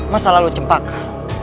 masa lalu cempaka